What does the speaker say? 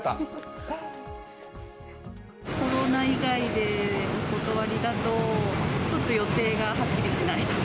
コロナ以外でお断りだと、ちょっと予定がはっきりしないとか。